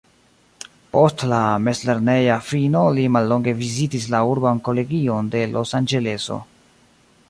Post la mezlerneja fino li mallonge vizitis la urban kolegion de Los-Anĝeleso.